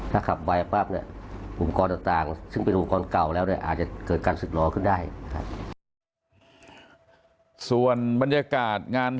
ถ้าขับไวรถต่างของอุปกรณ์ต่าง